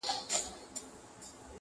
چي شېبې مي د رندانو ویښولې -